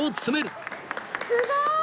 すごーい！